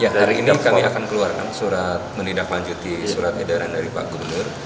ya hari ini kami akan keluarkan surat menindaklanjuti surat edaran dari pak gubernur